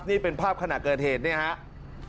นี่เป็นภาพขณะเกิดเหตุเนี่ยครับ